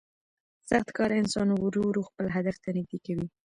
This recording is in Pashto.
سخت کار انسان ورو ورو خپل هدف ته نږدې کوي